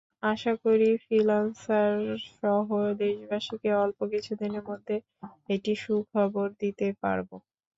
আশা করি, ফ্রিল্যান্সারসহ দেশবাসীকে অল্প কিছুদিনের মধ্যে একটি সুখবর দিতে পারব।